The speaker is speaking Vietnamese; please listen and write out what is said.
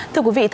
thưa quý vị